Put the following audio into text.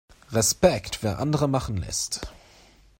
Respekt, wer andere machen lässt!